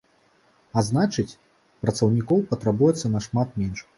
А значыць, працаўнікоў патрабуецца нашмат менш.